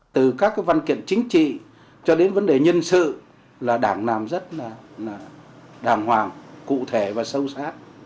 từ các văn kiện chính trị cho đến vấn đề nhân sự là đảng làm rất là đàng hoàng cụ thể và sâu sát